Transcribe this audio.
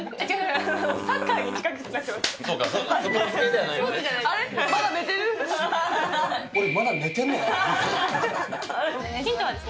サッカーに近くなってます。